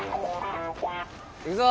行くぞ。